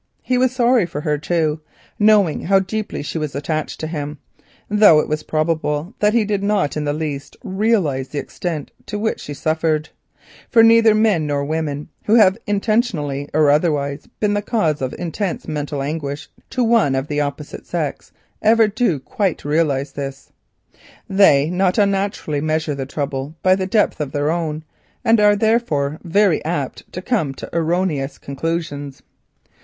He was sorry for her too, knowing how deeply she was attached to him, though it is probable that he did not in the least realise the extent to which she suffered, for neither men nor women who have intentionally or otherwise been the cause of intense mental anguish to one of the opposite sex ever do quite realise this. They, not unnaturally, measure the trouble by the depth of their own, and are therefore very apt to come to erroneous conclusions.